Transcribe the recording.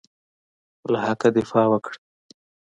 له حقه دفاع وکړه.